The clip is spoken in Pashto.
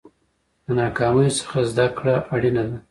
د ناکامیو څخه زده کړه اړینه ده.